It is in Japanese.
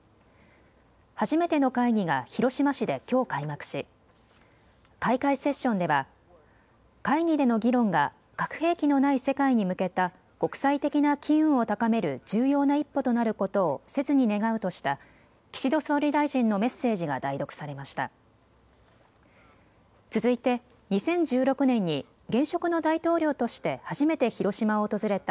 初めての会議が広島市できょう開幕し開会セッションでは会議での議論が核兵器のない世界に向けた国際的な機運を高める重要な一歩となることを切に願うとした岸田総理大臣のメッセージが代読されました。